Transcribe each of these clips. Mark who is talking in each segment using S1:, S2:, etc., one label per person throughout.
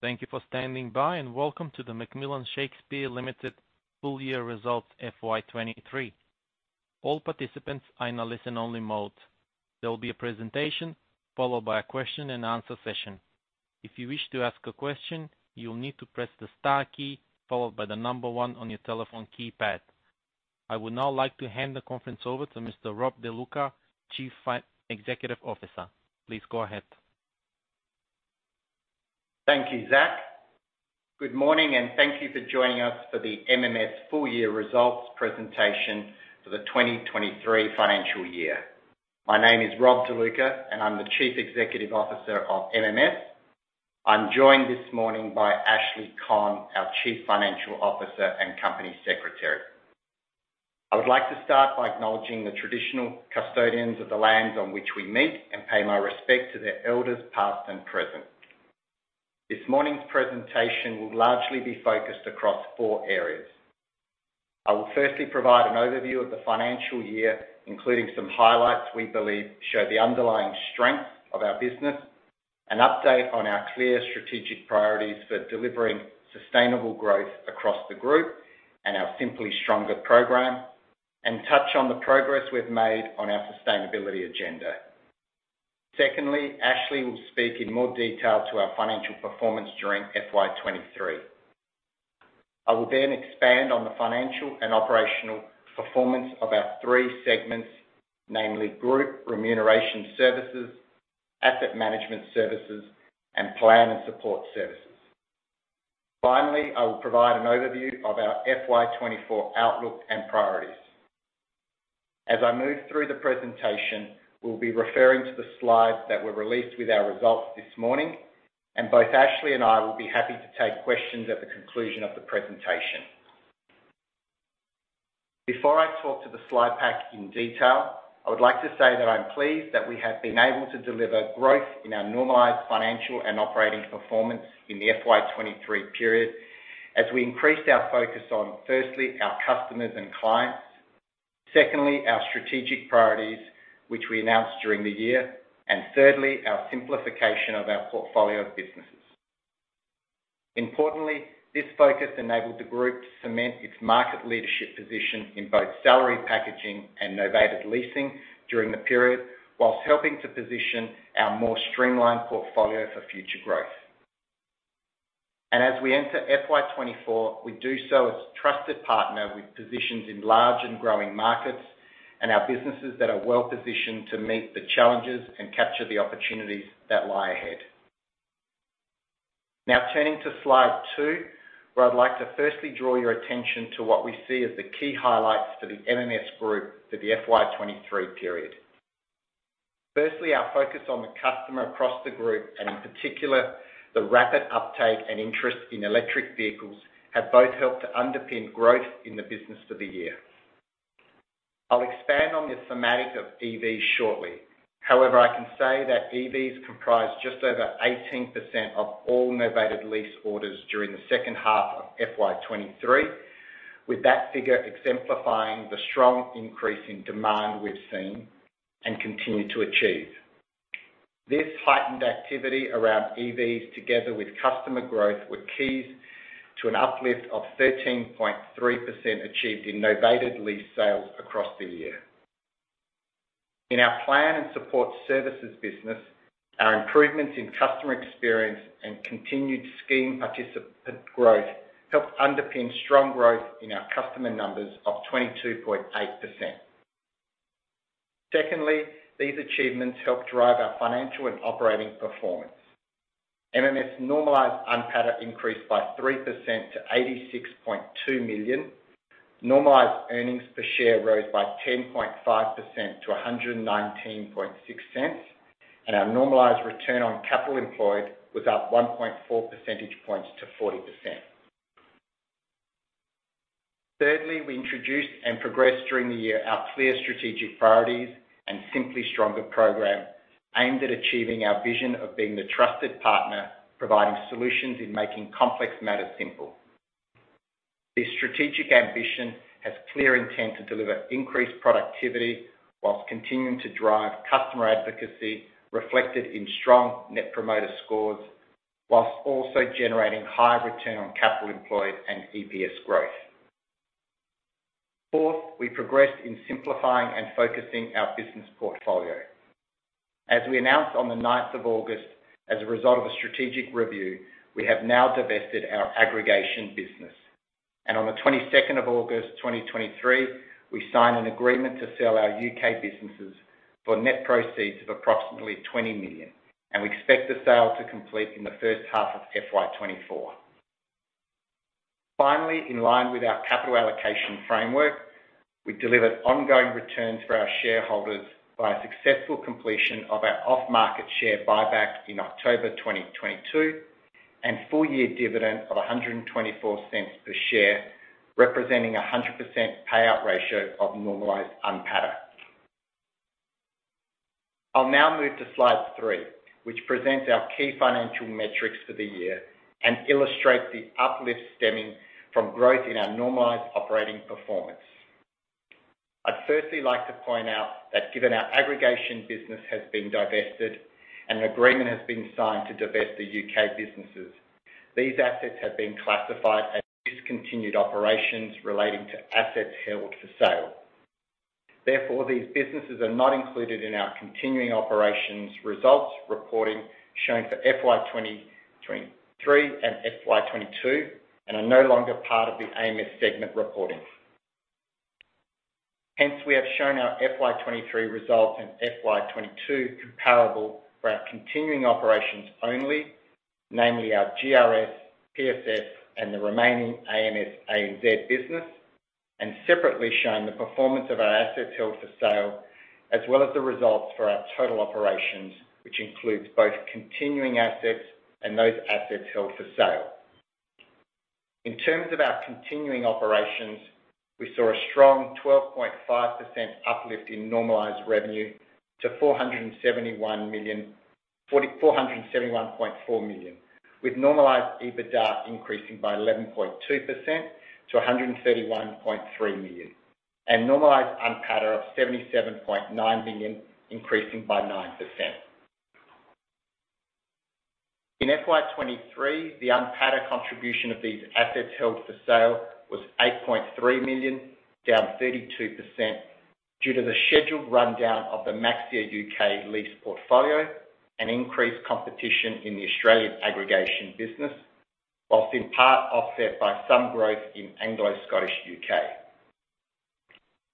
S1: Thank you for standing by, welcome to the McMillan Shakespeare Limited full year results FY 2023. All participants are in a listen-only mode. There will be a presentation, followed by a question and answer session. If you wish to ask a question, you'll need to press the star key, followed by the number one on your telephone keypad. I would now like to hand the conference over to Mr. Rob De Luca, Chief Executive Officer. Please go ahead.
S2: Thank you, Zach. Good morning. Thank you for joining us for the MMS full year results presentation for the 2023 financial year. My name is Rob De Luca, and I'm the Chief Executive Officer of MMS. I'm joined this morning by Ashley Conn, our Chief Financial Officer and Company Secretary. I would like to start by acknowledging the traditional custodians of the lands on which we meet and pay my respect to their elders, past and present. This morning's presentation will largely be focused across four areas. I will firstly provide an overview of the financial year, including some highlights we believe show the underlying strength of our business, an update on our clear strategic priorities for delivering sustainable growth across the group, and our Simply Stronger program, and touch on the progress we've made on our sustainability agenda. Secondly, Ashley will speak in more detail to our financial performance during FY 2023. I will then expand on the financial and operational performance of our three segments, namely Group Remuneration Services, Asset Management Services, and Plan and Support Services. Finally, I will provide an overview of our FY 2024 outlook and priorities. As I move through the presentation, we'll be referring to the slides that were released with our results this morning, and both Ashley and I will be happy to take questions at the conclusion of the presentation. Before I talk to the slide pack in detail, I would like to say that I'm pleased that we have been able to deliver growth in our normalized financial and operating performance in the FY 2023 period, as we increased our focus on, firstly, our customers and clients, secondly, our strategic priorities, which we announced during the year, and thirdly, our simplification of our portfolio of businesses. Importantly, this focus enabled the group to cement its market leadership position in both salary packaging and novated leasing during the period, while helping to position our more streamlined portfolio for future growth. As we enter FY 2024, we do so as a trusted partner with positions in large and growing markets and our businesses that are well-positioned to meet the challenges and capture the opportunities that lie ahead. Now, turning to slide two, where I'd like to firstly draw your attention to what we see as the key highlights for the MMS group for the FY 2023 period. Firstly, our focus on the customer across the group, and in particular, the rapid uptake and interest in electric vehicles, have both helped to underpin growth in the business for the year. I'll expand on the thematic of EVs shortly. However, I can say that EVs comprised just over 18% of all novated lease orders during the second half of FY 2023, with that figure exemplifying the strong increase in demand we've seen and continue to achieve. This heightened activity around EVs, together with customer growth, were keys to an uplift of 13.3% achieved in novated lease sales across the year. In our Plan and Support Services business, our improvements in customer experience and continued scheme participant growth helped underpin strong growth in our customer numbers of 22.8%. Secondly, these achievements helped drive our financial and operating performance. MMS normalized NPATA increased by 3% to 86.2 million. Normalized earnings per share rose by 10.5% to 1.196, and our normalized return on capital employed was up 1.4 percentage points to 40%. Thirdly, we introduced and progressed during the year our clear strategic priorities and Simply Stronger program, aimed at achieving our vision of being the trusted partner, providing solutions in making complex matters simple. This strategic ambition has clear intent to deliver increased productivity while continuing to drive customer advocacy, reflected in strong Net Promoter Scores, while also generating higher return on capital employed and EPS growth. Fourth, we progressed in simplifying and focusing our business portfolio. As we announced on the 9th of August, as a result of a strategic review, we have now divested our aggregation business. On the 22nd of August 2023, we signed an agreement to sell our U.K. businesses for net proceeds of approximately 20 million. We expect the sale to complete in the first half of FY 2024. Finally, in line with our capital allocation framework, we delivered ongoing returns for our shareholders by a successful completion of our off-market share buyback in October 2022, and full-year dividend of 1.24 per share, representing a 100% payout ratio of normalized NPATA. I'll now move to slide three, which presents our key financial metrics for the year and illustrates the uplift stemming from growth in our normalized operating performance.... I'd firstly like to point out that given our aggregation business has been divested and an agreement has been signed to divest the U.K. businesses, these assets have been classified as discontinued operations relating to assets held for sale. Therefore, these businesses are not included in our continuing operations results reporting shown for FY 2023 and FY 2022, and are no longer part of the AMS segment reporting. Hence, we have shown our FY 2023 results and FY 2022 comparable for our continuing operations only, namely our GRS, PSS, and the remaining AMS ANZ business, and separately shown the performance of our assets held for sale, as well as the results for our total operations, which includes both continuing assets and those assets held for sale. In terms of our continuing operations, we saw a strong 12.5% uplift in normalized revenue to 471.4 million, with normalized EBITDA increasing by 11.2% to 131.3 million, and normalized NPATA of 77.9 million, increasing by 9%. In FY 2023, the NPATA contribution of these assets held for sale was 8.3 million, down 32%, due to the scheduled rundown of the Maxxia U.K. lease portfolio and increased competition in the Australian aggregation business, whilst in part offset by some growth in Anglo Scottish U.K.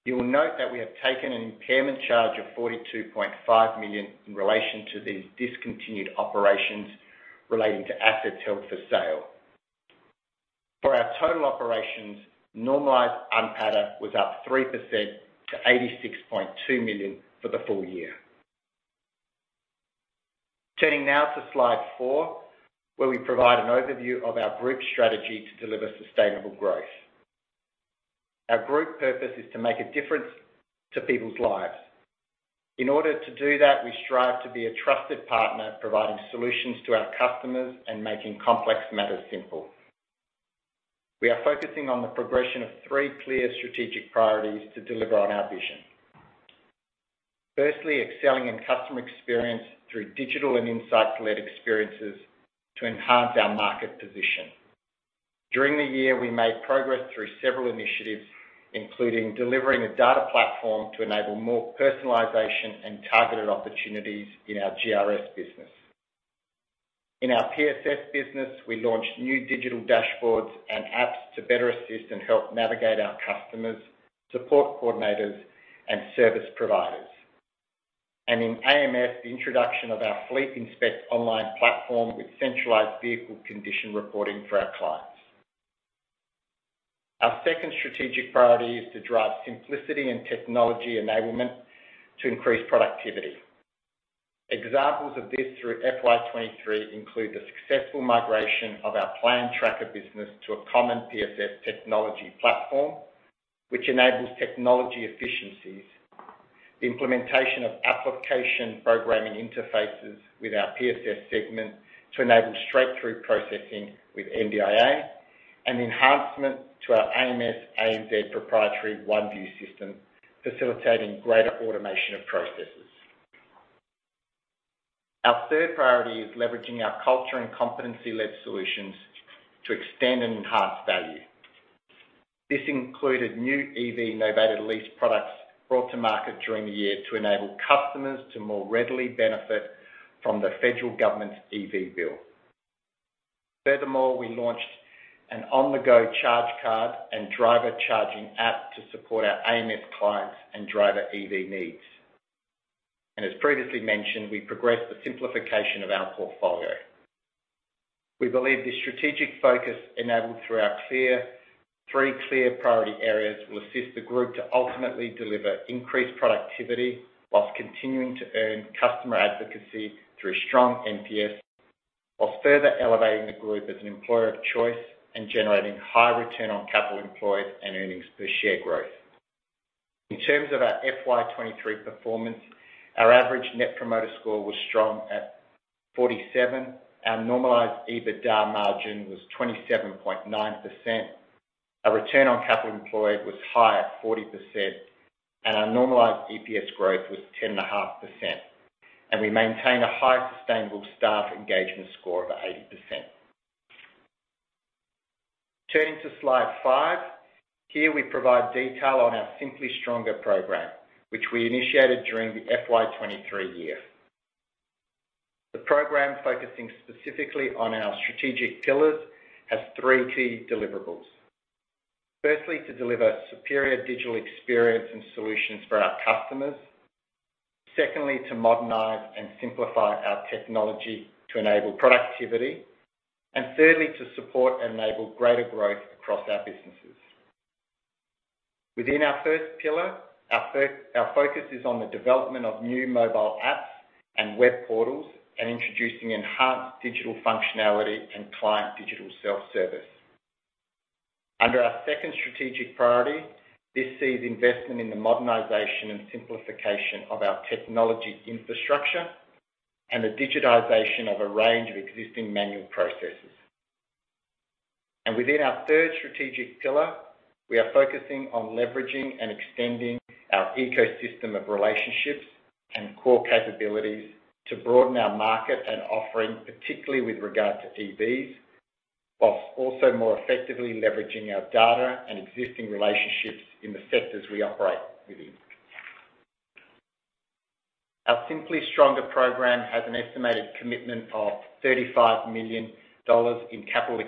S2: You will note that we have taken an impairment charge of 42.5 million in relation to these discontinued operations relating to assets held for sale. For our total operations, normalized NPATA was up 3% to 86.2 million for the full year. Turning now to slide four, where we provide an overview of our group strategy to deliver sustainable growth. Our group purpose is to make a difference to people's lives. In order to do that, we strive to be a trusted partner, providing solutions to our customers and making complex matters simple. We are focusing on the progression of three clear strategic priorities to deliver on our vision. Firstly, excelling in customer experience through digital and insight-led experiences to enhance our market position. During the year, we made progress through several initiatives, including delivering a data platform to enable more personalization and targeted opportunities in our GRS business. In our PSS business, we launched new digital dashboards and apps to better assist and help navigate our customers, support coordinators, and service providers. In AMS, the introduction of our Fleet Inspect online platform with centralized vehicle condition reporting for our clients. Our second strategic priority is to drive simplicity and technology enablement to increase productivity. Examples of this through FY 2023 include the successful migration of our Plan Tracker business to a common PSS technology platform, which enables technology efficiencies, the implementation of application programming interfaces with our PSS segment to enable straight-through processing with NDIA, and enhancement to our AMS ANZ proprietary OneView system, facilitating greater automation of processes. Our third priority is leveraging our culture and competency-led solutions to extend and enhance value. This included new EV novated lease products brought to market during the year, to enable customers to more readily benefit from the federal government's EV bill. Furthermore, we launched an on-the-go charge card and driver charging app to support our AMS clients and driver EV needs. As previously mentioned, we progressed the simplification of our portfolio. We believe this strategic focus enabled through our clear three clear priority areas, will assist the group to ultimately deliver increased productivity whilst continuing to earn customer advocacy through strong NPS, whilst further elevating the group as an employer of choice and generating high return on capital employed and earnings per share growth. In terms of our FY 2023 performance, our average Net Promoter Score was strong at 47. Our normalized EBITDA margin was 27.9%. Our return on capital employed was high at 40%, and our normalized EPS growth was 10.5%, and we maintained a high sustainable staff engagement score of 80%. Turning to slide 5. Here, we provide detail on our Simply Stronger program, which we initiated during the FY 2023 year. The program, focusing specifically on our strategic pillars, has 3 key deliverables. Firstly, to deliver superior digital experience and solutions for our customers. Secondly, to modernize and simplify our technology to enable productivity. Thirdly, to support and enable greater growth across our businesses. Within our first pillar, our focus is on the development of new mobile apps and web portals, and introducing enhanced digital functionality and client digital self-service. Under our second strategic priority, this sees investment in the modernization and simplification of our technology infrastructure and the digitization of a range of existing manual processes. Within our third strategic pillar, we are focusing on leveraging and extending our ecosystem of relationships and core capabilities to broaden our market and offering, particularly with regard to EVs, whilst also more effectively leveraging our data and existing relationships in the sectors we operate within. Our Simply Stronger program has an estimated commitment of 35 million dollars in CapEx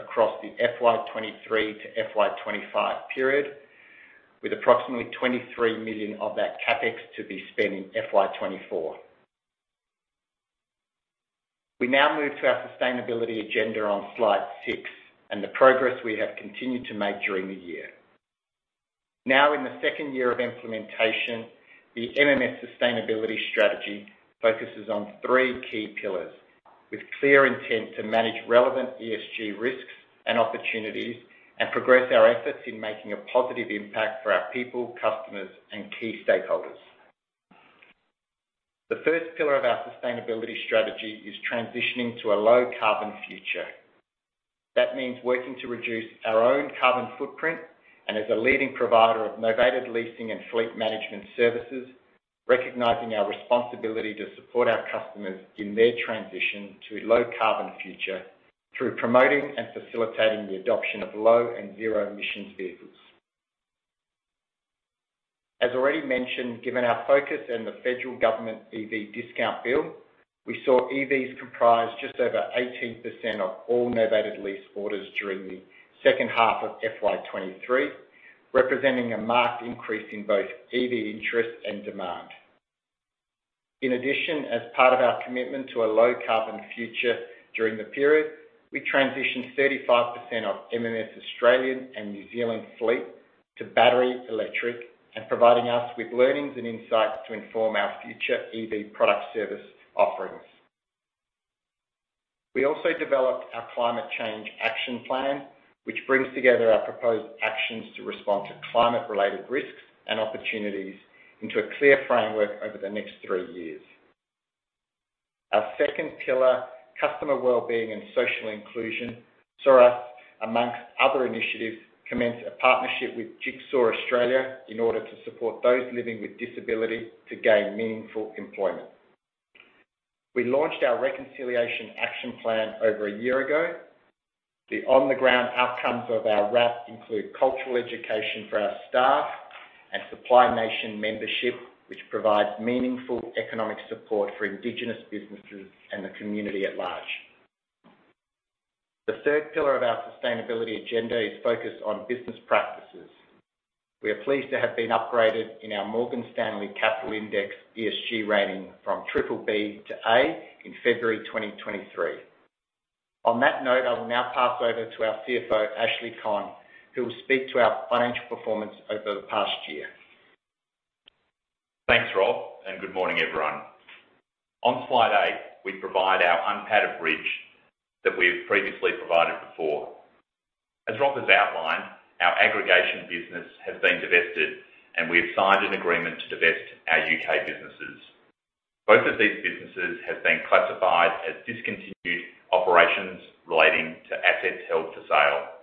S2: across the FY 2023 to FY 2025 period, with approximately 23 million of that CapEx to be spent in FY 2024. We now move to our sustainability agenda on slide 6, and the progress we have continued to make during the year. Now, in the second year of implementation, the MMS sustainability strategy focuses on three key pillars, with clear intent to manage relevant ESG risks and opportunities, and progress our efforts in making a positive impact for our people, customers, and key stakeholders. The first pillar of our sustainability strategy is transitioning to a low carbon future. That means working to reduce our own carbon footprint, and as a leading provider of novated leasing and fleet management services, recognizing our responsibility to support our customers in their transition to a low carbon future, through promoting and facilitating the adoption of low and zero emissions vehicles. As already mentioned, given our focus and the federal government EV discount bill, we saw EVs comprise just over 18% of all novated lease orders during the second half of FY 2023, representing a marked increase in both EV interest and demand. In addition, as part of our commitment to a low carbon future during the period, we transitioned 35% of MMS Australian and New Zealand fleet to battery electric, and providing us with learnings and insights to inform our future EV product service offerings. We also developed our climate change action plan, which brings together our proposed actions to respond to climate-related risks and opportunities into a clear framework over the next three years. Our second pillar, Customer Well-being and Social Inclusion, saw us, amongst other initiatives, commence a partnership with Jigsaw Australia in order to support those living with disability to gain meaningful employment. We launched our Reconciliation Action Plan over a year ago. The on-the-ground outcomes of our RAP include cultural education for our staff and Supply Nation membership, which provides meaningful economic support for indigenous businesses and the community at large. The third pillar of our sustainability agenda is focused on business practices. We are pleased to have been upgraded in our Morgan Stanley Capital Index ESG rating from BBB-A in February 2023. On that note, I will now pass over to our CFO, Ashley Conn, who will speak to our financial performance over the past year.
S3: Thanks, Rob, good morning, everyone. On slide eight, we provide our UNPATA bridge that we've previously provided before. As Rob has outlined, our aggregation business has been divested, and we have signed an agreement to divest our U.K. businesses. Both of these businesses have been classified as discontinued operations relating to assets held for sale.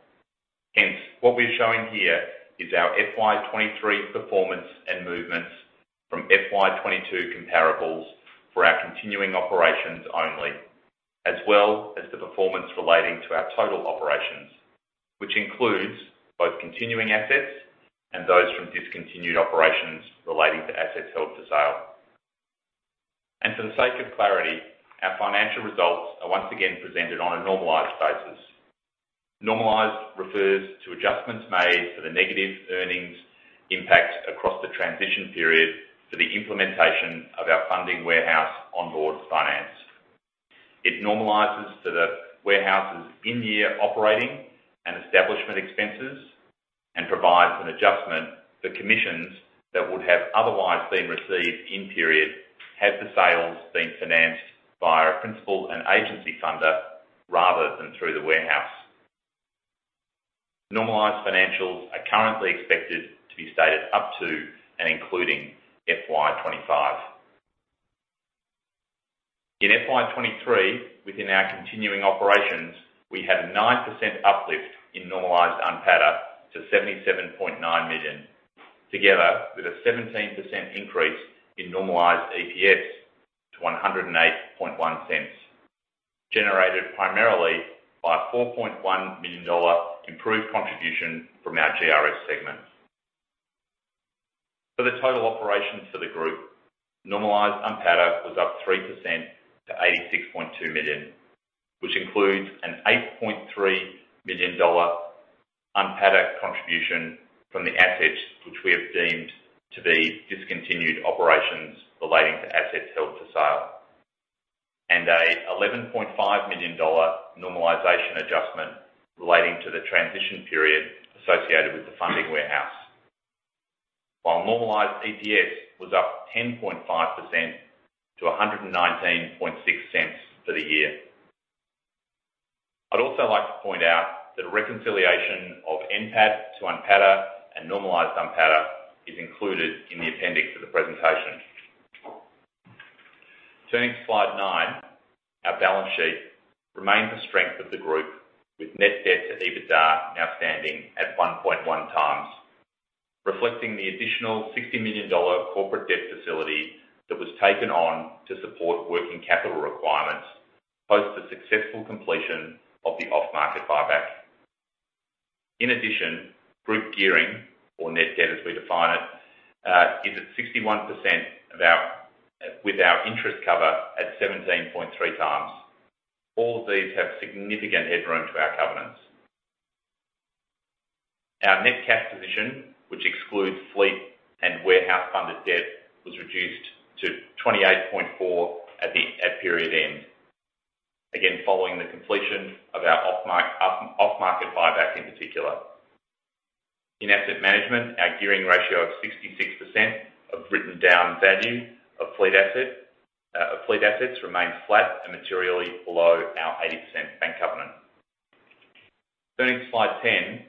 S3: Hence, what we're showing here is our FY 2023 performance and movements from FY 2022 comparables for our continuing operations only, as well as the performance relating to our total operations, which includes both continuing assets and those from discontinued operations relating to assets held for sale. For the sake of clarity, our financial results are once again presented on a normalized basis. Normalized refers to adjustments made for the negative earnings impacts across the transition period for the implementation of our funding warehouse Onboard Finance. It normalizes to the warehouse's in-year operating and establishment expenses, and provides an adjustment for commissions that would have otherwise been received in period, had the sales been financed via a principal and agency funder rather than through the warehouse. Normalized financials are currently expected to be stated up to and including FY 2025. In FY 2023, within our continuing operations, we had a 9% uplift in normalized UNPATA to 77.9 million, together with a 17% increase in normalized EPS to 1.081, generated primarily by a AUD 4.1 million improved contribution from our GRS segment. For the total operations for the group, normalized UNPATA was up 3% to 86.2 million, which includes an 8.3 million dollar UNPATA contribution from the assets, which we have deemed to be discontinued operations relating to assets held for sale, and a AUD 11.5 million normalization adjustment relating to the transition period associated with the funding warehouse. While normalized EPS was up 10.5% to 1.196 for the year. I'd also like to point out that a reconciliation of NPAT to UNPATA and normalized UNPATA is included in the appendix of the presentation. Turning to slide nine, our balance sheet remains the strength of the group, with net debt to EBITDA now standing at 1.1x, reflecting the additional 60 million dollar corporate debt facility that was taken on to support working capital requirements, post the successful completion of the off-market buyback. In addition, group gearing or net debt, as we define it, is at 61% with our interest cover at 17.3x. All of these have significant headroom to our covenants. Our net cash position, which excludes fleet and warehouse-funded debt, was reduced to 28.4 million at period end. Again, following the completion of our off-market buyback, in particular. In Asset Management, our gearing ratio of 66% of written-down value of fleet assets remains flat and materially below our 80% bank covenant. Turning to slide 10,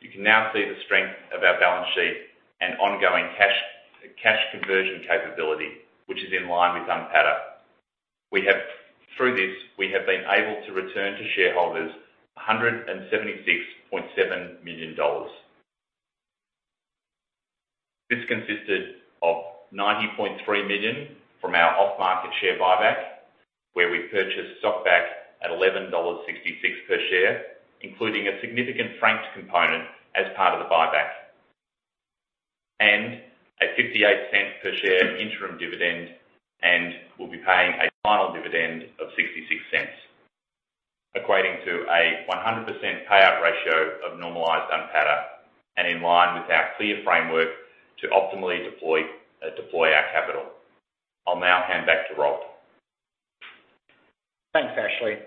S3: you can now see the strength of our balance sheet and ongoing cash, cash conversion capability, which is in line with UNPATA. Through this, we have been able to return to shareholders 176.7 million dollars. This consisted of 90.3 million from our off-market share buyback, where we purchased stock back at 11.66 dollars per share, including a significant franked component as part of the buyback, a AUD 0.58 per share interim dividend. We'll be paying a final dividend of 0.66, equating to a 100% payout ratio of normalized UNPATA. In line with our clear framework to optimally deploy, deploy our capital, I'll now hand back to Rob.
S2: Thanks, Ashley.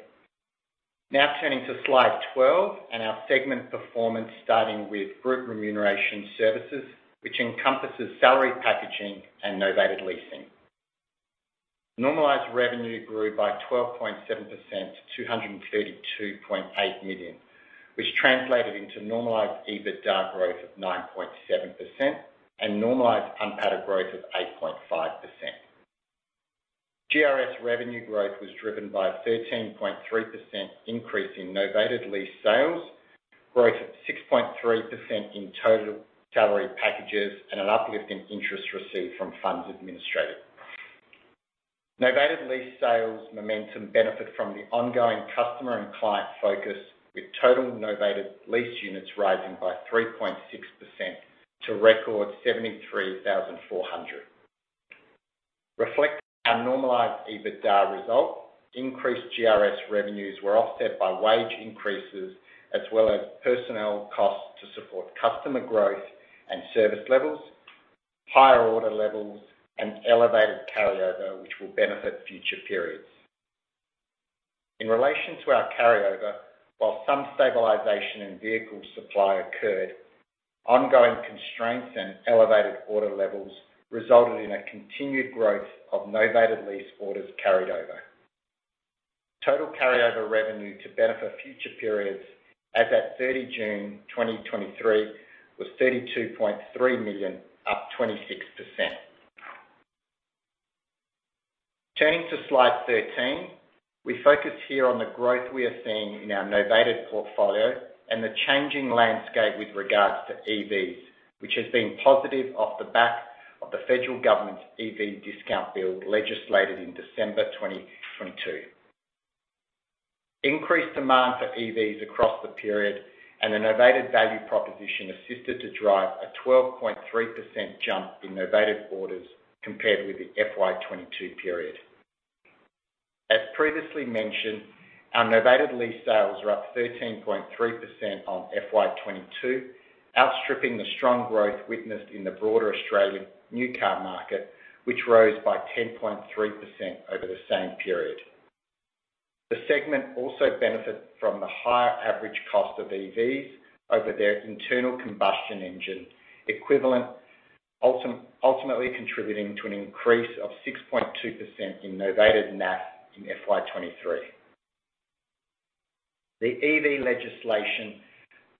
S2: Now turning to slide 12 and our segment performance, starting with Group Remuneration Services, which encompasses salary packaging and novated leasing. Normalized revenue grew by 12.7% to 232.8 million, which translated into normalized EBITDA growth of 9.7% and normalized UNPATA growth of 8.5%. GRS revenue growth was driven by a 13.3% increase in novated lease sales, growth of 6.3% in total salary packages, and an uplift in interest received from funds administered. Novated lease sales momentum benefit from the ongoing customer and client focus, with total novated lease units rising by 3.6% to record 73,400. Reflect our normalized EBITDA result, increased GRS revenues were offset by wage increases, as well as personnel costs to support customer growth and service levels, higher order levels, and elevated carryover, which will benefit future periods. In relation to our carryover, while some stabilization in vehicle supply occurred, ongoing constraints and elevated order levels resulted in a continued growth of novated lease orders carried over. Total carryover revenue to benefit future periods as at June 30, 2023 was 32.3 million, up 26%. Turning to slide 13, we focus here on the growth we are seeing in our novated portfolio and the changing landscape with regards to EVs, which has been positive off the back of the federal government's EV discount bill, legislated in December 2022. Increased demand for EVs across the period and the novated value proposition assisted to drive a 12.3% jump in novated orders compared with the FY 2022 period. As previously mentioned, our novated lease sales were up 13.3% on FY 2022, outstripping the strong growth witnessed in the broader Australian new car market, which rose by 10.3% over the same period. The segment also benefits from the higher average cost of EVs over their internal combustion engine equivalent, ultimately contributing to an increase of 6.2% in novated NAF in FY 2023. The EV legislation,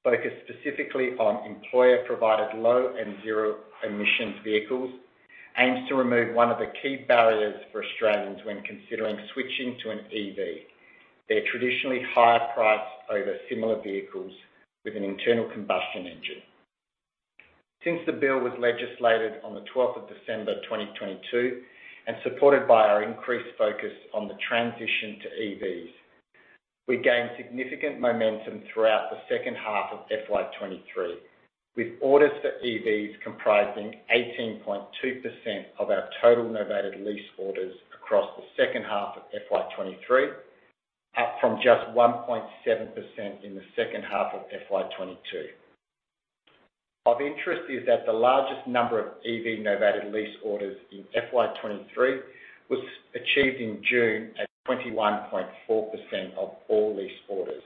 S2: focused specifically on employer-provided low and zero-emissions vehicles, aims to remove one of the key barriers for Australians when considering switching to an EV. They're traditionally higher priced over similar vehicles with an internal combustion engine. Since the bill was legislated on the twelfth of December 2022, supported by our increased focus on the transition to EVs, we gained significant momentum throughout the second half of FY 2023, with orders for EVs comprising 18.2% of our total novated lease orders across the second half of FY 2023, up from just 1.7% in the second half of FY 2022. Of interest is that the largest number of EV novated lease orders in FY 2023 was achieved in June, at 21.4% of all lease orders.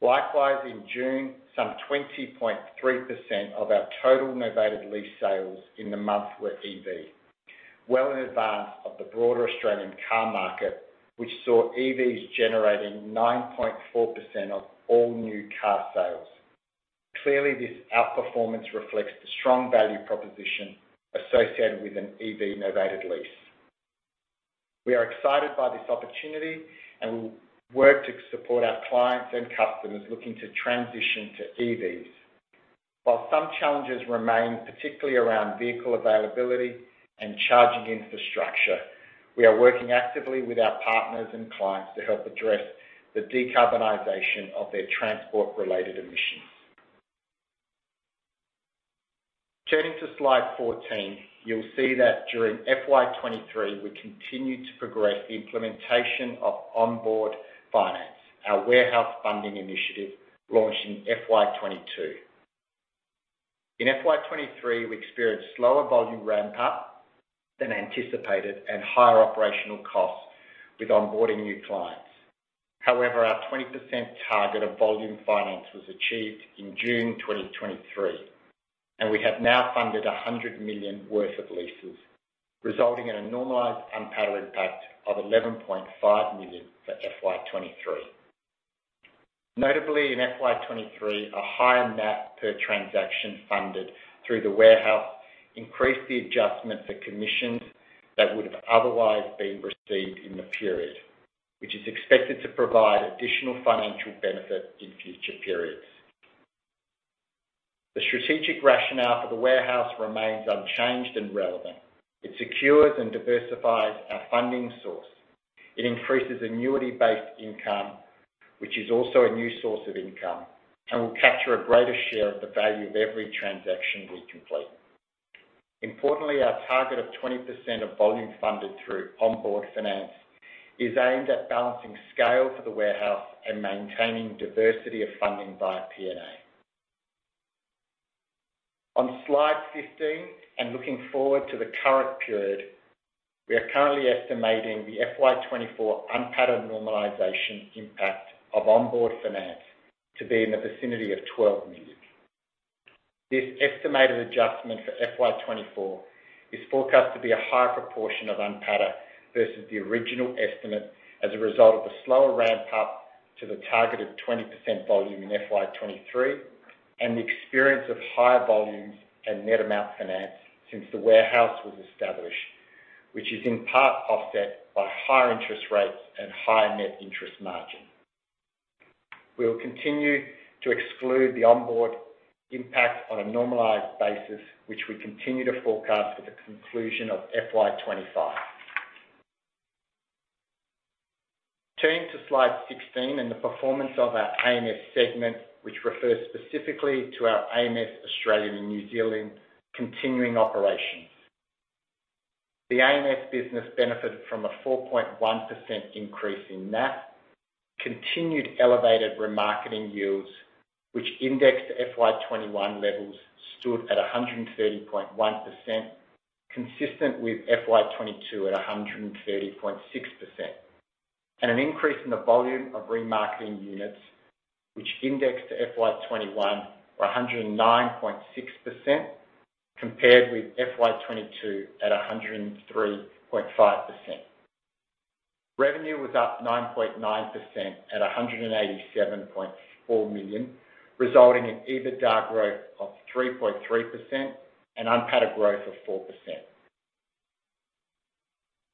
S2: Likewise, in June, some 20.3% of our total novated lease sales in the month were EV, well in advance of the broader Australian car market, which saw EVs generating 9.4% of all new car sales. Clearly, this outperformance reflects the strong value proposition associated with an EV novated lease. We are excited by this opportunity. We will work to support our clients and customers looking to transition to EVs. While some challenges remain, particularly around vehicle availability and charging infrastructure, we are working actively with our partners and clients to help address the decarbonization of their transport-related emissions. Turning to slide 14, you'll see that during FY 2023, we continued to progress the implementation of Onboard Finance, our warehouse funding initiative launched in FY 2022. In FY 2023, we experienced slower volume ramp up than anticipated and higher operational costs with onboarding new clients. Our 20% target of volume finance was achieved in June 2023, and we have now funded 100 million worth of leases, resulting in a normalized NPATA impact of 11.5 million for FY 2023. In FY 2023, a higher NAP per transaction funded through the warehouse increased the adjustment for commissions that would have otherwise been received in the period, which is expected to provide additional financial benefit in future periods. The strategic rationale for the warehouse remains unchanged and relevant. It secures and diversifies our funding source. It increases annuity-based income, which is also a new source of income, and will capture a greater share of the value of every transaction we complete. Our target of 20% of volume funded through Onboard Finance is aimed at balancing scale for the warehouse and maintaining diversity of funding via PNA. On Slide 15, looking forward to the current period, we are currently estimating the FY 2024 UNPATA normalization impact of Onboard Finance to be in the vicinity of 12 million. This estimated adjustment for FY 2024 is forecast to be a higher proportion of UNPATA versus the original estimate as a result of the slower ramp up to the targeted 20% volume in FY 2023, and the experience of higher volumes and net amount finance since the warehouse was established, which is in part offset by higher interest rates and higher net interest margin. We will continue to exclude the Onboard impact on a normalized basis, which we continue to forecast for the conclusion of FY 2025. Turning to Slide 16 and the performance of our AMS segment, which refers specifically to our AMS, Australia and New Zealand, continuing operations. The AMS business benefited from a 4.1% increase in NAP, continued elevated remarketing yields, which indexed FY 2021 levels stood at 130.1%, consistent with FY 2022 at 130.6%, and an increase in the volume of remarketing units, which indexed to FY 2021 were 109.6%, compared with FY 2022 at 103.5%. Revenue was up 9.9% at 187.4 million, resulting in EBITDA growth of 3.3% and UNPATA growth of 4%.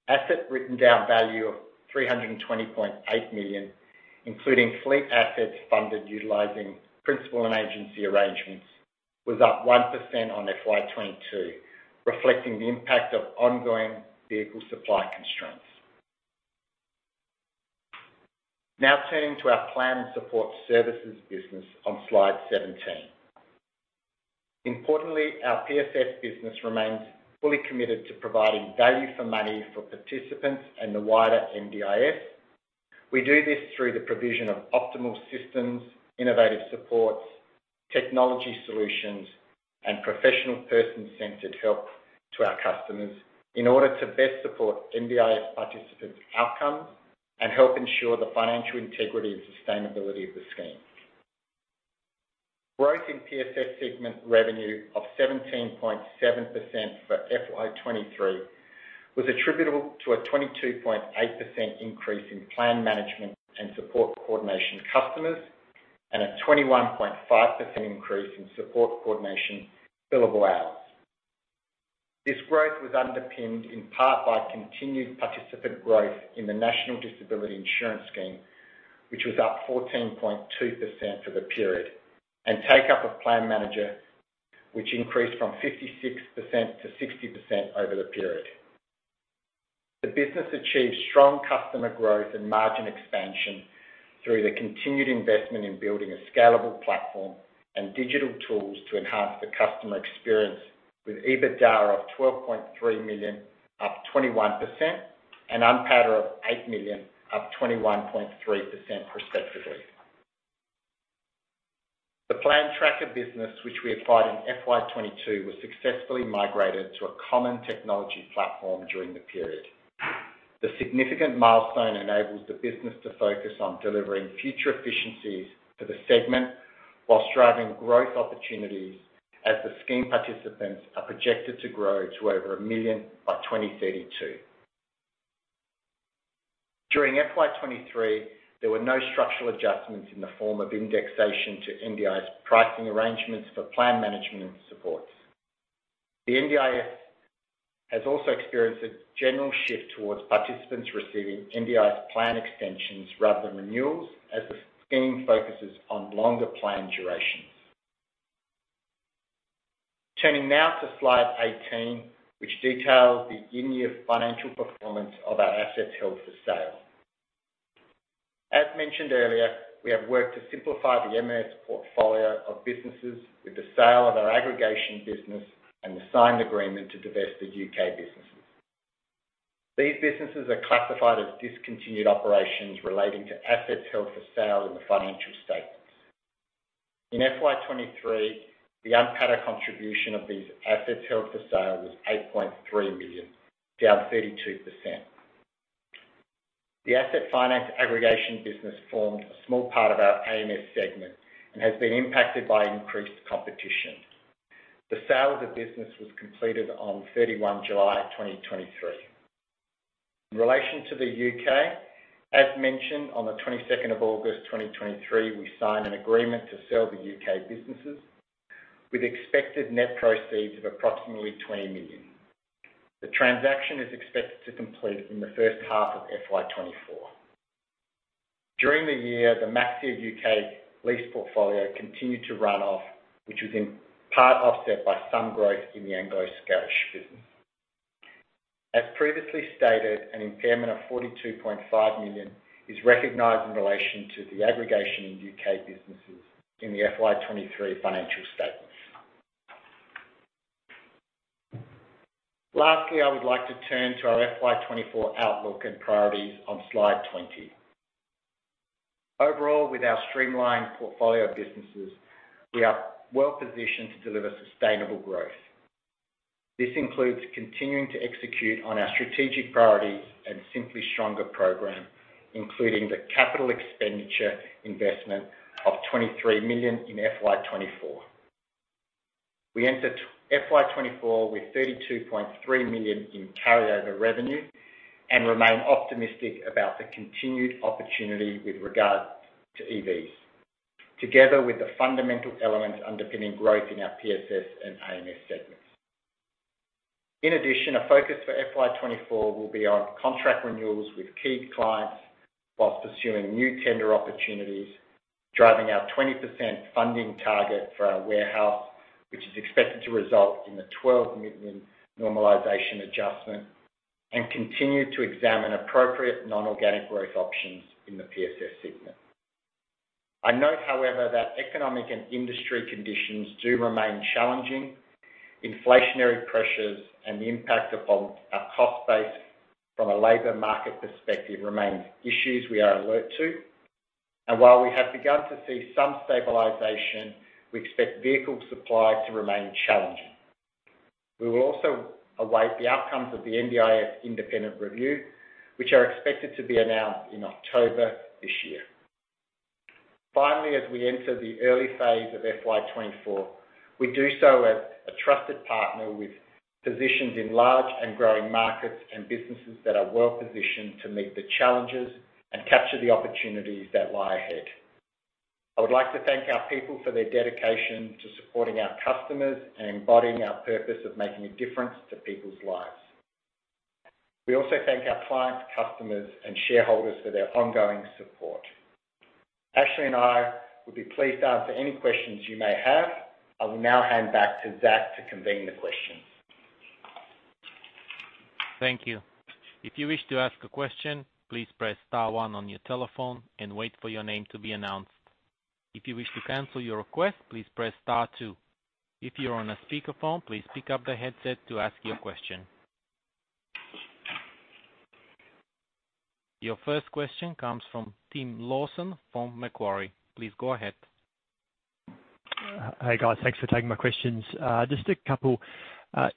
S2: Asset written down value of 320.8 million, including fleet assets funded utilizing principal and agency arrangements, was up 1% on FY 2022, reflecting the impact of ongoing vehicle supply constraints. Now turning to our Plan and Support Services business on Slide 17. Importantly, our PSS business remains fully committed to providing value for money for participants and the wider NDIS. We do this through the provision of optimal systems, innovative supports, technology solutions, and professional person-centered help to our customers in order to best support NDIS participants' outcomes and help ensure the financial integrity and sustainability of the scheme. Growth in PSS segment revenue of 17.7% for FY 2023 was attributable to a 22.8% increase in plan management and support coordination customers, and a 21.5% increase in support coordination billable hours. This growth was underpinned in part by continued participant growth in the National Disability Insurance Scheme, which was up 14.2% for the period, and take up of Plan Manager, which increased from 56%-60% over the period. The business achieved strong customer growth and margin expansion through the continued investment in building a scalable platform and digital tools to enhance the customer experience with EBITDA of 12.3 million, up 21%, and UNPATA of 8 million, up 21.3% respectively. The Plan Tracker business, which we acquired in FY 2022, was successfully migrated to a common technology platform during the period. The significant milestone enables the business to focus on delivering future efficiencies to the segment while striving growth opportunities, as the scheme participants are projected to grow to over 1 million by 2032. During FY 2023, there were no structural adjustments in the form of indexation to NDIS pricing arrangements for plan management and supports. The NDIS has also experienced a general shift towards participants receiving NDIS plan extensions rather than renewals, as the scheme focuses on longer plan durations. Turning now to slide 18, which details the year financial performance of our assets held for sale. As mentioned earlier, we have worked to simplify the MMS portfolio of businesses with the sale of our aggregation business and the signed agreement to divest the U.K. businesses. These businesses are classified as discontinued operations relating to assets held for sale in the financial statements. In FY 2023, the unpaid contribution of these assets held for sale was 8.3 million, down 32%. The asset finance aggregation business formed a small part of our AMS segment and has been impacted by increased competition. The sale of the business was completed on July 31, 2023. In relation to the U.K., as mentioned on August 22, 2023, we signed an agreement to sell the U.K. businesses, with expected net proceeds of approximately 20 million. The transaction is expected to complete in the first half of FY 2024. During the year, the Maxxia U.K. lease portfolio continued to run off, which was in part offset by some growth in the Anglo Scottish business. As previously stated, an impairment of 42.5 million is recognized in relation to the aggregation in U.K. businesses in the FY 2023 financial statements. Lastly, I would like to turn to our FY 2024 outlook and priorities on slide 20. Overall, with our streamlined portfolio of businesses, we are well positioned to deliver sustainable growth. This includes continuing to execute on our strategic priorities and Simply Stronger program, including the capital expenditure investment of 23 million in FY 2024. We entered FY 2024 with 32.3 million in carryover revenue, remain optimistic about the continued opportunity with regard to EVs, together with the fundamental elements underpinning growth in our PSS and AMS segments. In addition, a focus for FY 2024 will be on contract renewals with key clients, whilst pursuing new tender opportunities, driving our 20% funding target for our warehouse, which is expected to result in the 12 million normalization adjustment, continue to examine appropriate non-organic growth options in the PSS segment. I note, however, that economic and industry conditions do remain challenging. Inflationary pressures and the impact upon our cost base from a labor market perspective remains issues we are alert to, and while we have begun to see some stabilization, we expect vehicle supply to remain challenging. We will also await the outcomes of the NDIS independent review, which are expected to be announced in October this year. Finally, as we enter the early phase of FY 2024, we do so as a trusted partner with positions in large and growing markets and businesses that are well positioned to meet the challenges and capture the opportunities that lie ahead. I would like to thank our people for their dedication to supporting our customers and embodying our purpose of making a difference to people's lives. We also thank our clients, customers, and shareholders for their ongoing support. Ashley and I would be pleased to answer any questions you may have. I will now hand back to Zach to convene the questions.
S1: Thank you. If you wish to ask a question, please press star one on your telephone and wait for your name to be announced. If you wish to cancel your request, please press star 2. If you are on a speakerphone, please pick up the headset to ask your question. Your first question comes from Tim Lawson from Macquarie. Please go ahead.
S4: Hey, guys. Thanks for taking my questions. Just a couple.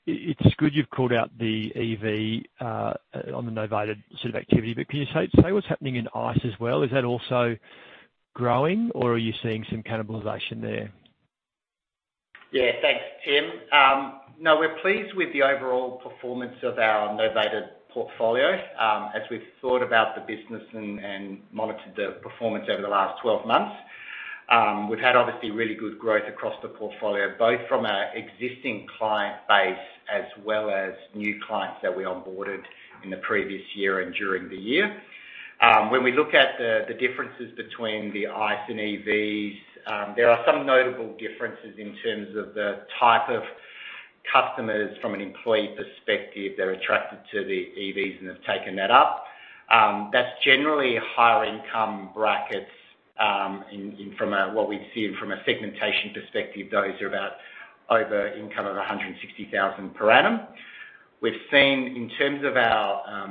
S4: It, it's good you've called out the EV, on the novated sort of activity. Can you say, say what's happening in ICE as well? Is that also growing, or are you seeing some cannibalization there?
S2: Yeah, thanks, Tim. No, we're pleased with the overall performance of our novated portfolio. As we've thought about the business and, and monitored the performance over the last 12 months, we've had obviously really good growth across the portfolio, both from our existing client base as well as new clients that we onboarded in the previous year and during the year. When we look at the, the differences between the ICE and EVs, there are some notable differences in terms of the type of customers from an employee perspective, that are attracted to the EVs and have taken that up. That's generally higher income brackets, in, in, from a, what we've seen from a segmentation perspective, those are about over income of 160,000 per annum. We've seen in terms of our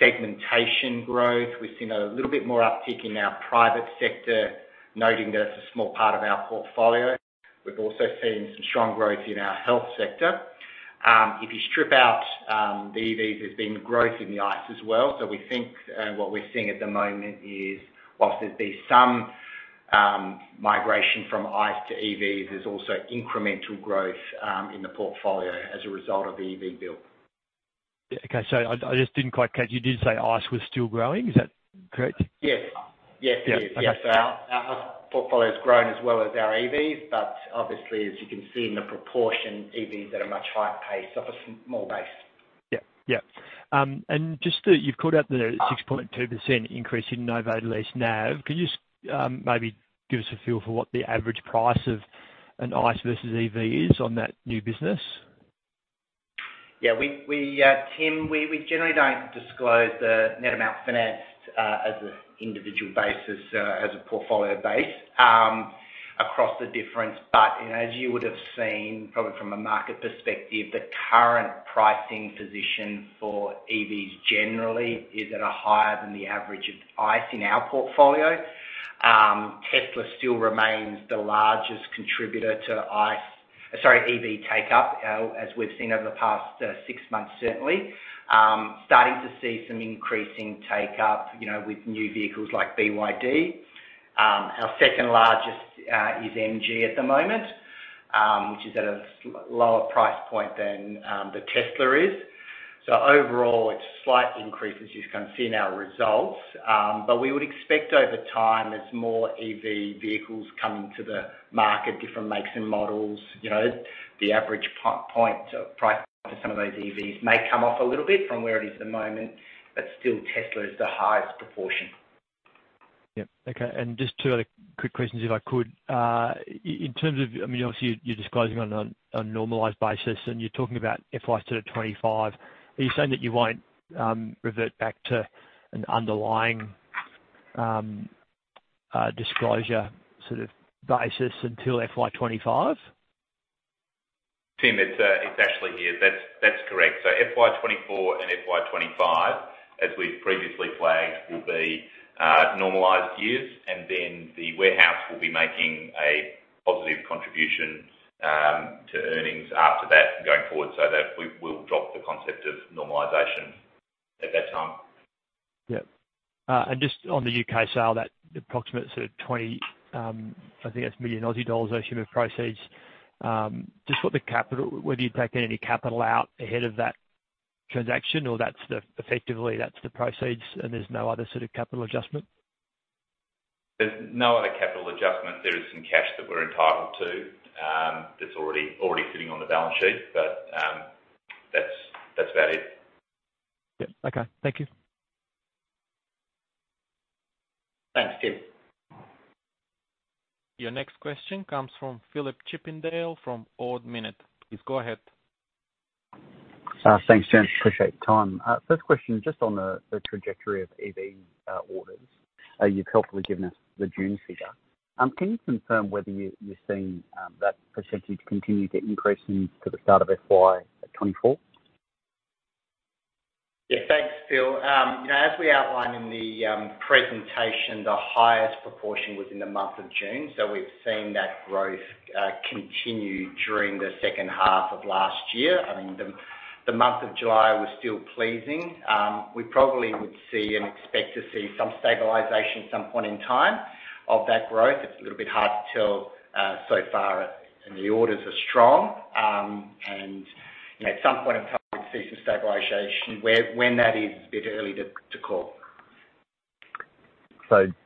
S2: segmentation growth, we've seen a little bit more uptick in our private sector, noting that it's a small part of our portfolio. We've also seen some strong growth in our health sector. If you strip out the EVs, there's been growth in the ICE as well. We think what we're seeing at the moment is, whilst there's been migration from ICE to EVs, there's also incremental growth in the portfolio as a result of the EV Bill.
S4: Yeah, okay. I, I just didn't quite catch. You did say ICE was still growing? Is that correct?
S2: Yes. Yes, it is.
S4: Okay.
S2: Yes, our, our ICE portfolio has grown as well as our EVs, but obviously, as you can see in the proportion, EVs are at a much higher pace off a small base.
S4: Yep, yep. Just that you've called out the 6.2% increase in Novated Lease NAV, can you maybe give us a feel for what the average price of an ICE versus EV is on that new business?
S2: Yeah, we, we, Tim, we, we generally don't disclose the net amount financed, as an individual basis, as a portfolio base, across the difference. You know, as you would have seen, probably from a market perspective, the current pricing position for EVs generally is at a higher than the average of ICE in our portfolio. Tesla still remains the largest contributor to EV take-up, as we've seen over the past 6 months certainly. Starting to see some increasing take-up, you know, with new vehicles like BYD. Our second largest is MG at the moment, which is at a lower price point than the Tesla is. Overall, it's a slight increase, as you can see in our results. We would expect over time, as more EV vehicles come into the market, different makes and models, you know, the average point of price to some of those EVs may come off a little bit from where it is at the moment, but still, Tesla is the highest proportion.
S4: Yep. Okay, and just two other quick questions, if I could. In terms of, I mean, obviously, you're disclosing on a, on a normalized basis, and you're talking about FY 2025. Are you saying that you won't revert back to an underlying disclosure sort of basis until FY 2025?
S3: Tim, it's Ashley here. That's, that's correct. FY 2024 and FY 2025, as we've previously flagged, will be normalized years, and then the warehouse will be making a positive contribution to earnings after that going forward, so that we, we'll drop the concept of normalization at that time.
S4: Yep. Just on the U.K. sale, that approximate sort of 20 million Aussie dollars I assume of proceeds. Just what the capital-- whether you've taken any capital out ahead of that transaction or that's the, effectively, that's the proceeds, and there's no other sort of capital adjustment?
S3: There's no other capital adjustment. There is some cash that we're entitled to, that's already, already sitting on the balance sheet. That's, that's about it.
S4: Yep. Okay. Thank you.
S2: Thanks, Tim.
S1: Your next question comes from Phillip Chippindale from Ord Minnett. Please go ahead.
S5: Thanks, gents. Appreciate the time. First question, just on the, the trajectory of EV orders. You've helpfully given us the June figure. Can you confirm whether you, you're seeing that percentage continue to increase into the start of FY 2024?
S2: Yeah, thanks, Phil. You know, as we outlined in the presentation, the highest proportion was in the month of June, so we've seen that growth continue during the second half of last year. I mean, the month of July was still pleasing. We probably would see and expect to see some stabilization at some point in time of that growth. It's a little bit hard to tell so far, and the orders are strong. You know, at some point in time, we'll see some stabilization. Where, when that is, it's a bit early to, to call.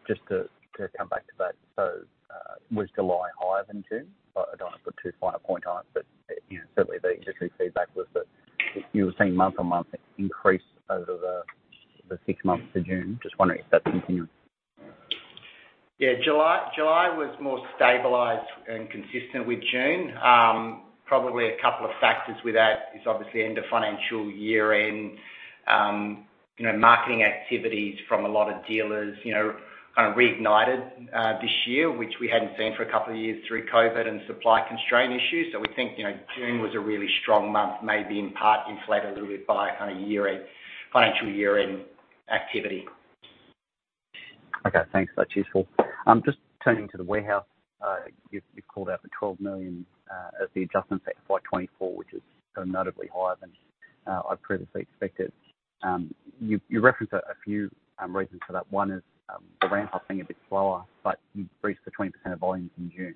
S5: Just to, to come back to that. Was July higher than June? I, I don't want to put too fine a point on it, but, you know, certainly the industry feedback was that you were seeing month-on-month increase over the, the 6 months to June. Just wondering if that's continuing?
S2: Yeah, July, July was more stabilized and consistent with June. Probably a couple of factors with that is obviously end of financial year-end, you know, marketing activities from a lot of dealers, you know, kind of reignited this year, which we hadn't seen for a couple of years through COVID and supply constraint issues. We think, you know, June was a really strong month, maybe in part inflated a little bit by kind of year-end, financial year-end activity.
S5: Okay, thanks. That's useful. Just turning to the warehouse, you, you called out the 12 million, as the adjustment for FY 2024, which is notably higher than, I previously expected. You, you referenced a, a few, reasons for that. One is, the ramp up being a bit slower, but you've reached the 20% of volumes in June.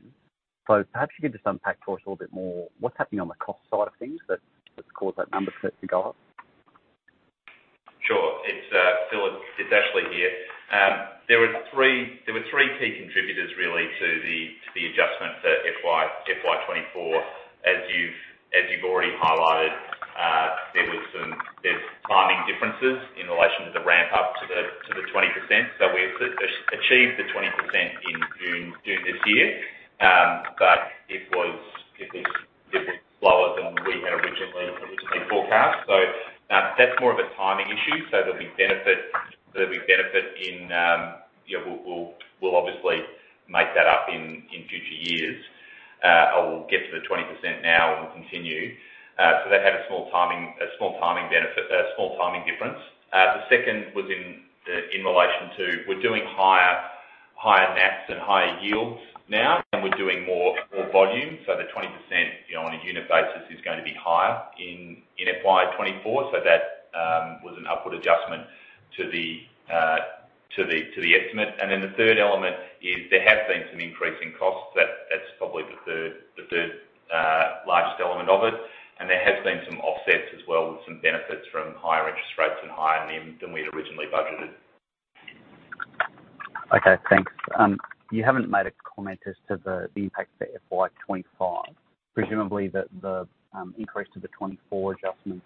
S5: Perhaps you could just unpack for us a little bit more what's happening on the cost side of things that, that's caused that number to, to go up?
S3: Sure. It's, Phil, it's Ashley here. There were three, there were three key contributors really to the, to the adjustment to FY 2024. As you've, as you've already highlighted, there was some, there's timing differences in relation to the ramp-up to the, to the 20%. We've achieved the 20% in June, June this year. But it was, it was, it was slower than we had originally, originally forecast. That's more of a timing issue. There'll be benefit, there'll be benefit in, yeah, we'll, we'll, we'll obviously make that up in, in future years. We'll get to the 20% now and we'll continue. That had a small timing, a small timing benefit, a small timing difference. The second was in, in relation to we're doing higher, higher NAPs and higher units. now, and we're doing more, more volume. The 20%, you know, on a unit basis, is going to be higher in, in FY 2024. That was an upward adjustment to the to the to the estimate. The third element is there have been some increasing costs. That-that's probably the third, the third largest element of it, and there has been some offsets as well, with some benefits from higher interest rates and higher NIM than we had originally budgeted.
S5: Okay, thanks. You haven't made a comment as to the, the impact for FY 2025. Presumably, the, the, increase to the 24 adjustments,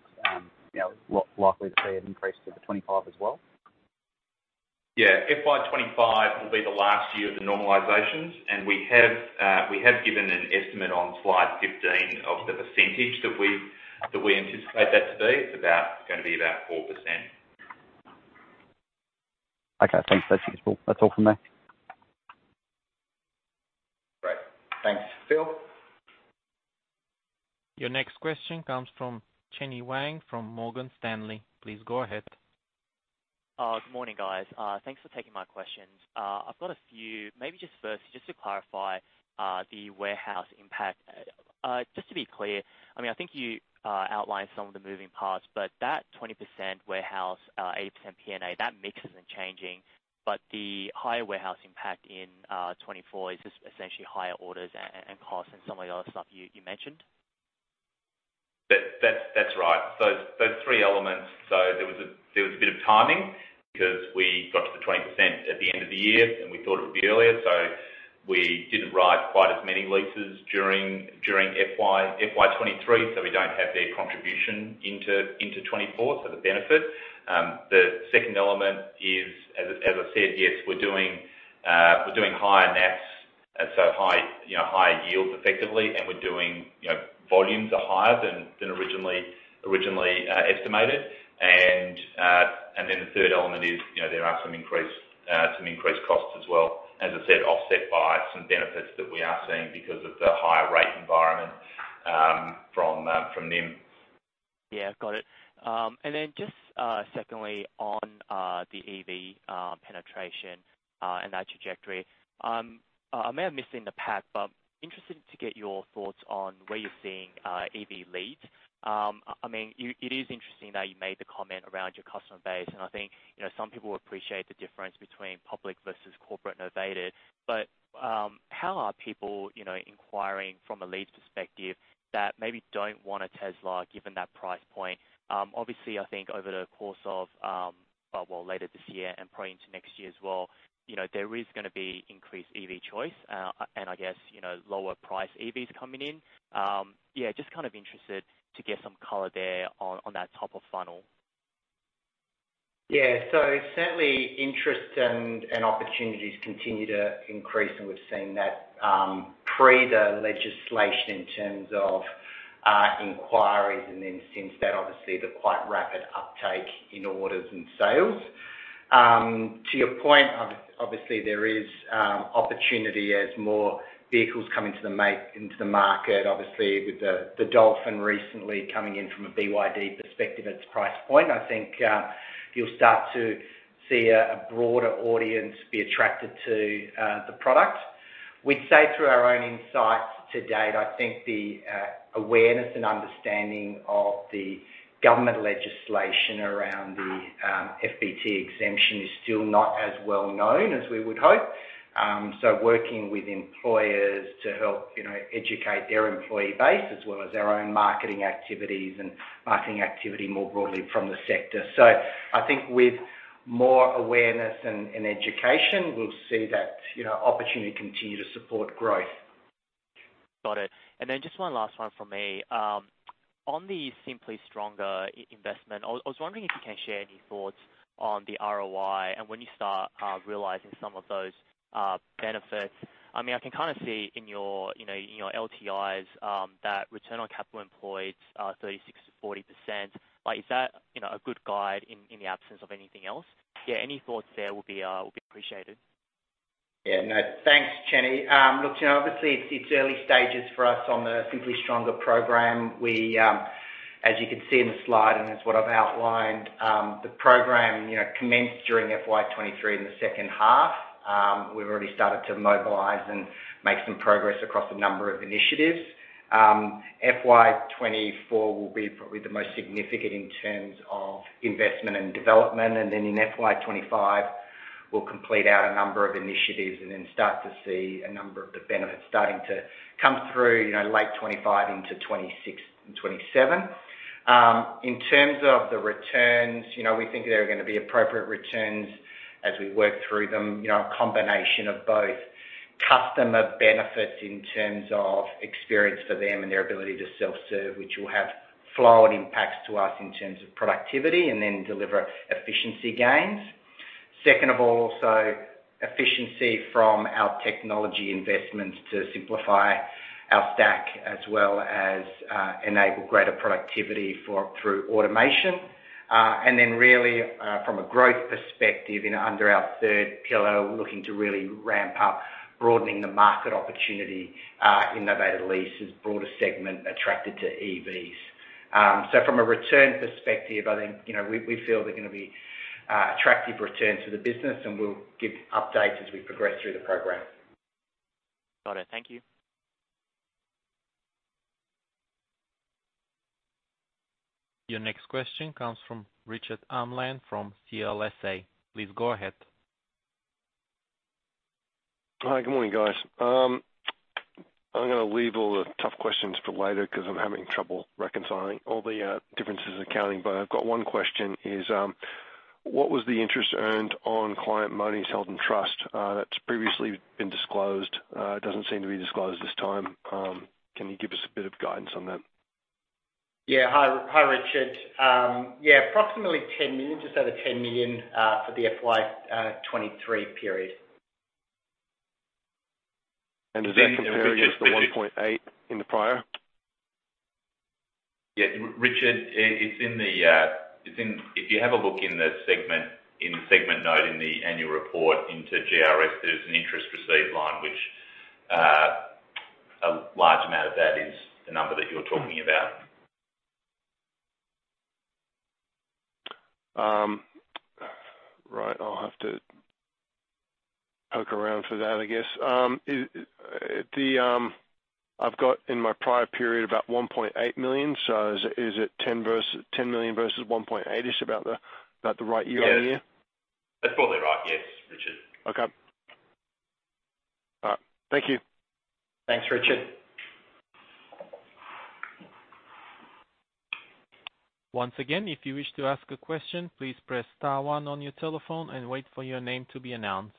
S5: you know, likely to see an increase to the 25 as well?
S3: Yeah. FY 2025 will be the last year of the normalizations, and we have, we have given an estimate on slide 15 of the percentage that we, that we anticipate that to be. It's about, gonna be about 4%.
S5: Okay, thanks, that's useful. That's all from me.
S3: Great. Thanks. Phil?
S1: Your next question comes from Chenny Wang from Morgan Stanley. Please go ahead.
S6: Good morning, guys. Thanks for taking my questions. I've got a few. Maybe just first, just to clarify, the warehouse impact. Just to be clear, I mean, I think you outlined some of the moving parts, but that 20% warehouse, 80% PNA, that mix isn't changing, but the higher warehouse impact in 2024 is just essentially higher orders and costs and some of the other stuff you mentioned?
S3: That's right. Those, those three elements. There was a bit of timing because we got to the 20% at the end of the year, and we thought it would be earlier, so we didn't write quite as many leases during, during FY, FY 2023, so we don't have their contribution into, into FY 2024, so the benefit. The second element is, as I said, yes, we're doing higher NAF, so high, you know, higher yields effectively, and we're doing, you know, volumes are higher than, than originally estimated. Then the third element is, you know, there are some increased costs as well. As I said, offset by some benefits that we are seeing because of the higher rate environment, from NIM.
S6: Yeah, got it. Then just secondly, on the EV penetration and that trajectory. I may have missed in the pack, but interested to get your thoughts on where you're seeing EV lead. I mean, it is interesting that you made the comment around your customer base, and I think, you know, some people will appreciate the difference between public versus corporate Novated. How are people, you know, inquiring from a lease perspective that maybe don't want a Tesla, given that price point? I think over the course of, well, later this year and probably into next year as well, you know, there is gonna be increased EV choice and I guess, you know, lower price EVs coming in. Yeah, just kind of interested to get some color there on, on that top of funnel.
S2: Certainly, interest and opportunities continue to increase, and we've seen that, pre the legislation in terms of inquiries and then since then, obviously, the quite rapid uptake in orders and sales. To your point, obviously, there is opportunity as more vehicles come into the market. Obviously, with the Dolphin recently coming in from a BYD perspective, its price point. I think you'll start to see a broader audience be attracted to the product. We'd say through our own insights to date, I think the awareness and understanding of the government legislation around the FBT exemption is still not as well known as we would hope. So working with employers to help, you know, educate their employee base, as well as our own marketing activities and marketing activity more broadly from the sector. I think with more awareness and, and education, we'll see that, you know, opportunity continue to support growth.
S6: Got it. Then just one last one from me. On the Simply Stronger investment, I was, I was wondering if you can share any thoughts on the ROI and when you start realizing some of those benefits. I mean, I can kind of see in your, in your, in your LTIs, that return on capital employed, 36%-40%. Like, is that, you know, a good guide in, in the absence of anything else? Yeah, any thoughts there will be appreciated.
S2: Yeah. No, thanks, Chenny. Look, you know, obviously, it's, it's early stages for us on the Simply Stronger program. We, as you can see in the slide, and it's what I've outlined, the program, you know, commenced during FY 2023 in the second half. We've already started to mobilize and make some progress across a number of initiatives. FY 2024 will be probably the most significant in terms of investment and development, and then in FY 2025, we'll complete out a number of initiatives and then start to see a number of the benefits starting to come through, you know, late 2025 into 2026 and 2027. In terms of the returns, you know, we think they're gonna be appropriate returns as we work through them. You know, a combination of both customer benefits in terms of experience for them and their ability to self-serve, which will have flow-on impacts to us in terms of productivity and then deliver efficiency gains. Second of all, also efficiency from our technology investments to simplify our stack, as well as, enable greater productivity through automation. And then really, from a growth perspective, you know, under our third pillar, we're looking to really ramp up, broadening the market opportunity, in Novated leases, broader segment attracted to EVs. From a return perspective, I think, you know, we, we feel they're gonna be attractive return to the business, and we'll give updates as we progress through the program.
S7: Got it. Thank you.
S1: Your next question comes from Richard Amland from CLSA. Please go ahead.
S8: Hi, good morning, guys. I'm gonna leave all the tough questions for later because I'm having trouble reconciling all the differences in accounting. I've got one question, is, what was the interest earned on client monies held in trust, that's previously been disclosed, it doesn't seem to be disclosed this time. Can you give us a bit of guidance on that?
S2: Yeah. Hi, hi, Richard. Yeah, approximately 10 million, just over 10 million, for the FY 2023 period.
S8: Is that compared with the 1.8 in the prior?
S3: Yeah, Richard, it's in the, if you have a look in the segment, in the segment note in the annual report into GRS, there's an interest received line, ht. I'll have to poke around for that, I guess. Is the, I've got in my prior period about 1.8 million, so is it, is it 10 million versus 1.8 million? Is about the, about the right year-on-year? Yes. That's probably right. Yes, Richard.
S8: Okay. All right. Thank you.
S2: Thanks, Richard.
S1: Once again, if you wish to ask a question, please press star one on your telephone and wait for your name to be announced.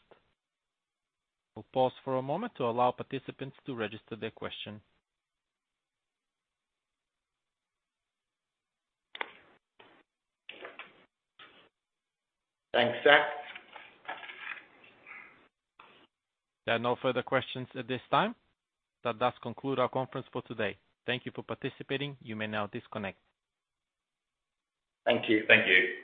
S1: We'll pause for a moment to allow participants to register their question.
S2: Thanks, sir.
S1: There are no further questions at this time. That does conclude our conference for today. Thank you for participating. You may now disconnect.
S2: Thank you.
S3: Thank you.